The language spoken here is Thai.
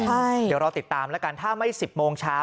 ไปตามแล้วกันถ้าไม่๑๐โมงเช้า